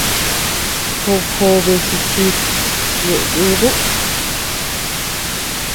Job jobe jichis ñeʼe yuduu.